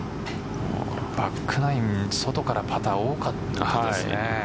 バックナイン外から多かったですよね。